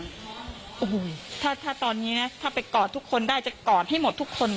โอ้โหถ้าตอนนี้นะถ้าไปกอดทุกคนได้จะกอดให้หมดทุกคน